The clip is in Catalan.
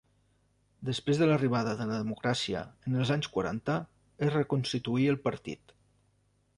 Després de l'arribada de la democràcia en els anys quaranta es reconstituí el partit.